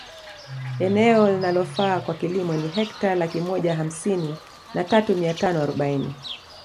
Eneo linalofaa kwa kilimo ni Hekta laki moja hamsini na tatu mia tano arobaini